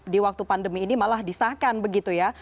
di waktu pandemi ini malah disahkan begitu ya